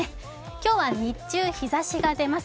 今日は日中日ざしが出ます。